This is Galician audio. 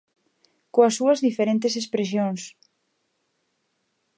Coas súas diferentes expresións.